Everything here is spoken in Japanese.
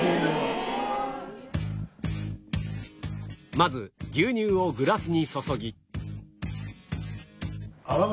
まず牛乳をグラスに注ぎ